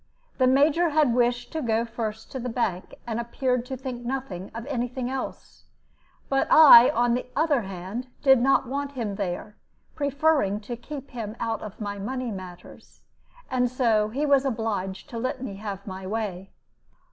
The Major had wished to go first to the bank, and appeared to think nothing of any thing else; but I, on the other hand, did not want him there, preferring to keep him out of my money matters, and so he was obliged to let me have my way.